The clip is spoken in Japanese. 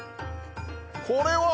これは！